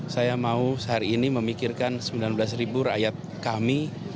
saya mau sehari ini memikirkan sembilan belas ribu rakyat kami